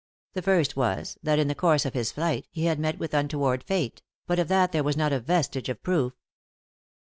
The first was that, in the course of his flight, he had met with an un toward fete, but of that there was not a vestige of proof.